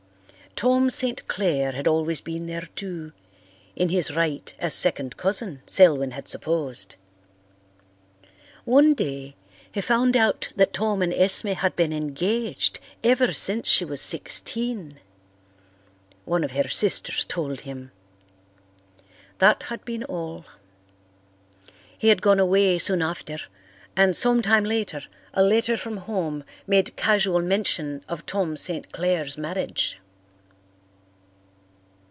Tom St. Clair had always been there too, in his right as second cousin, Selwyn had supposed. One day he found out that Tom and Esme had been engaged ever since she was sixteen; one of her sisters told him. That had been all. He had gone away soon after, and some time later a letter from home made casual mention of Tom St. Clair's marriage.